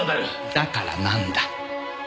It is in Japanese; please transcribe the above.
だからなんだ？